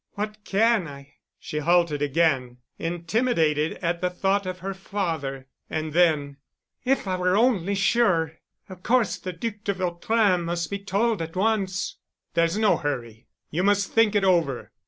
What can I——" She halted again, intimidated at the thought of her father. And then— "If I were only sure.... Of course the Duc de Vautrin must be told at once." "There's no hurry. You must think it over.